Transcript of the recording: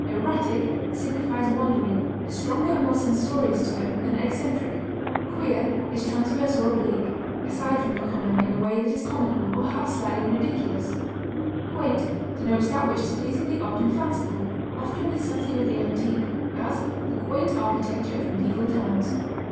Erratic signifies wandering, a stronger and more censorious term than eccentric. Queer is transverse or oblique, aside from the common in a way that is comical or perhaps slightly ridiculous. Quaint denotes that which is pleasingly odd and fanciful, often with something of the antique; as, the quaint architecture of medieval towns.